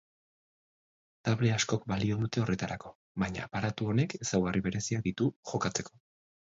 Table askok balio dute horretarako, baina aparatu honek ezaugarri bereziak ditu jokatzeko.